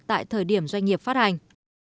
tại thời điểm doanh nghiệp phát hành